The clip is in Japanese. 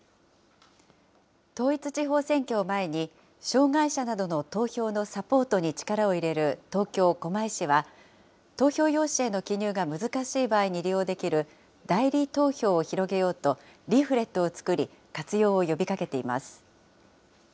統一地方選挙を前に、障害者などの投票のサポートに力を入れる東京・狛江市は、投票用紙への記入が難しい場合に利用できる、代理投票を広げようと、リーフレットを作り、活用を呼びかけています。